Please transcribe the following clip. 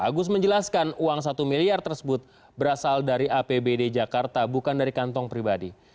agus menjelaskan uang satu miliar tersebut berasal dari apbd jakarta bukan dari kantong pribadi